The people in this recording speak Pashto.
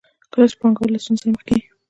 کله چې پانګوال له ستونزو سره مخ کېږي